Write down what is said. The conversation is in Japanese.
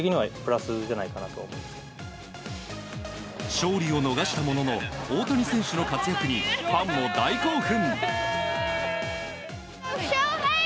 勝利を逃したものの大谷選手の活躍にファンも大興奮。